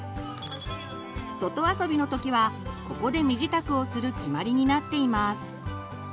外遊びの時はここで身支度をする決まりになっています。